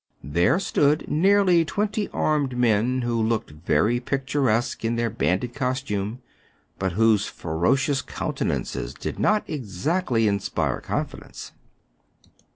There stood nearly twenty armed men, who looked very picturesque in their bandit costume, but whose ferocious countenances did not exactly in spire confidence.